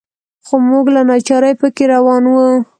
خو موږ له ناچارۍ په کې روان وو.